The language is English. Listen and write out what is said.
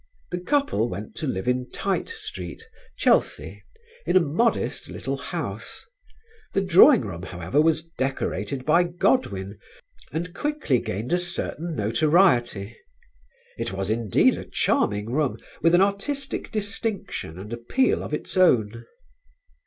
The couple went to live in Tite Street, Chelsea, in a modest little house. The drawing room, however, was decorated by Godwin and quickly gained a certain notoriety. It was indeed a charming room with an artistic distinction and appeal of its own.